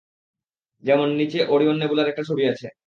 যেমন, নিচে ওরিওন নেবুলার একটা ছবি আছে।